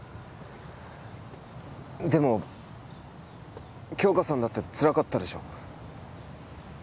でも杏花さんだってつらかったでしょ